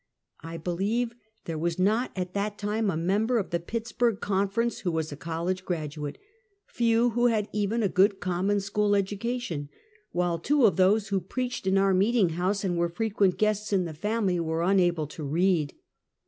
I believe there was not at that time a member of the Pittsburg Conference who was a college graduate, few who had even a good, common school educa tion, while two of those who preached in our meeting house and were frequent guests in the family, were unable to read.